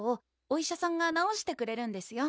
お医者さんがなおしてくれるんですよ